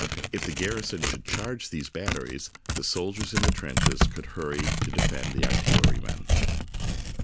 If the garrison should charge these batteries, the soldiers in the trenches could hurry to defend the artillerymen.